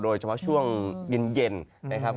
โดยเฉพาะช่วงเย็นนะครับ